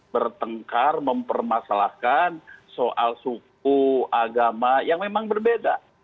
bertengkar mempermasalahkan soal suku agama yang memang berbeda